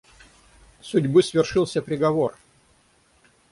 Судьбы свершился приговор!